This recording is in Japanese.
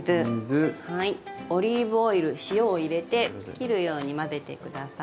オリーブオイル塩を入れて切るように混ぜて下さい。